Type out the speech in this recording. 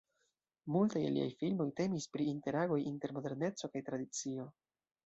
Multaj el liaj filmoj temis pri interagoj inter moderneco kaj tradicio.